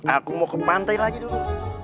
aku mau ke pantai lagi dulu